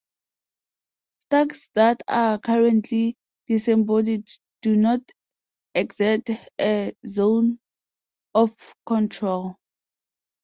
Stacks that are currently disembodied do not exert a zone of control.